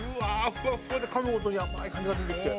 ふわふわでかむごとに甘い感じが出てきて。